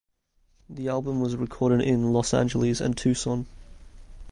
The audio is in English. The album was recorded in Los Angeles and Tucson.